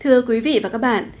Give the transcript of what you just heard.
thưa quý vị và các bạn